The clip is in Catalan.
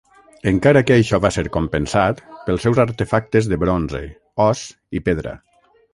Encara que això va ser compensat pels seus artefactes de bronze, os i pedra.